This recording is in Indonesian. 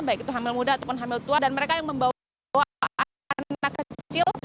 baik itu hamil muda ataupun hamil tua dan mereka yang membawa anak kecil